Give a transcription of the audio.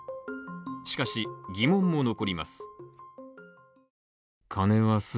しかし、疑問も残ります。